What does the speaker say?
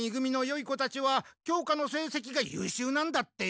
よい子たちは教科の成績がゆうしゅうなんだって？